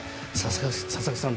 佐々木さん